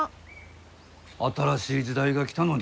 新しい時代が来たのにか？